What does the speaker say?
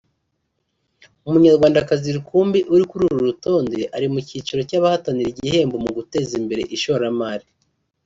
Umunyarwandakazi rukumbi uri kuri urwo rutonde ari mu cyiciro cy’abahatanira igihembo mu guteza imbere ishoramari